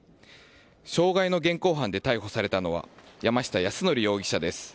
傷害の現行犯で逮捕されたのは山下泰範容疑者です。